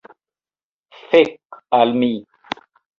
Fek' al mi